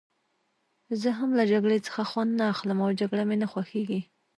زه هم له جګړې څخه خوند نه اخلم او جګړه مې نه خوښېږي.